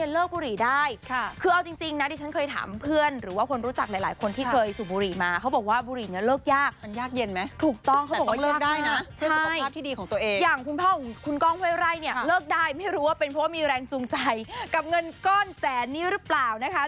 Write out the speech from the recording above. เลิกได้ไม่รู้ว่าเป็นเพราะมีแรงจูงใจกับเงินก้อนแสนนี้หรือเปล่านะคะ